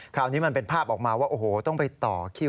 คราวนี้มันเป็นภาพออกมาว่าโอ้โหต้องไปต่อคิว